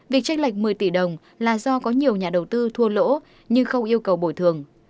việc tranh lệch một mươi tỷ đồng là do có nhiều nhà đầu tư thua lỗ nhưng không yêu cầu bồi thường